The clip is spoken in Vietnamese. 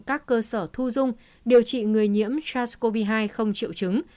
các cơ sở thu dung điều trị người nhiễm sars cov hai không triệu chứng